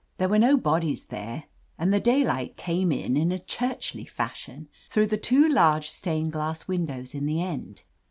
There were no bodies there, and the daylight came in in churchly fashion through the two large stained glass windows in the end.